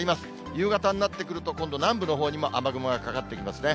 夕方になってくると、今度、南部のほうにも雨雲がかかってきますね。